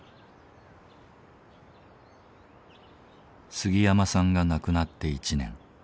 杉山さんが亡くなって１年。